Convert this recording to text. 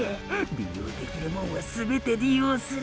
利用できるもんは全て利用する！！